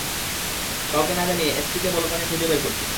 কাউকে না জানিয়ে এসপিকে বল তাকে খুঁজে বের করতে।